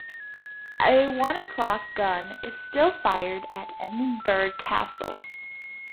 A One O'Clock Gun is still fired at Edinburgh Castle.